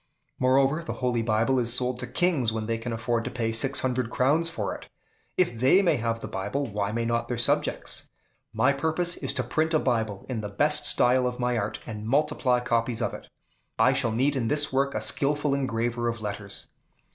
Moreover, the Holy Book is sold to kings when they can afford to pay six hundred crowns for it; if they may have the Bible, why may not their subjects? My purpose is to print a Bible in the best style of my art, and multiply copies of it. I shall need in this work a skillful engraver of letters."